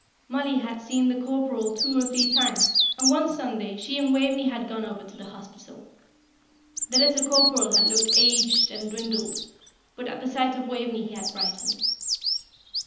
Mollie had seen the corporal two or three times, and one Sunday she and Waveney had gone over to the Hospital. The little corporal had looked aged and dwindled; but at the sight of Waveney he had brightened.